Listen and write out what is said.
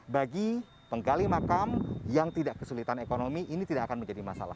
bagi penggali makam yang tidak kesulitan ekonomi ini tidak akan menjadi masalah